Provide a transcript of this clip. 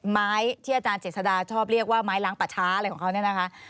ไม้ที่อาจารย์เจษฎาชอบเรียกว่าไม้ล้างป่าช้าอะไรของเขาเนี่ยนะคะ